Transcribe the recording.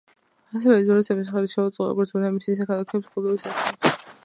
ასეთმა იზოლაციამ ხელი შეუწყო როგორც ბუნების, ისე ქალაქის კულტურის დაცვას.